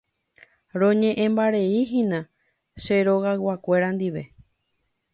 Roñe'ẽmbareihína che rogayguakuéra ndive.